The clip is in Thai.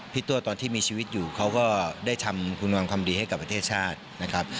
ตัวตอนที่มีชีวิตอยู่เขาก็ได้ทำคุณวังความดีให้กับประเทศชาตินะครับ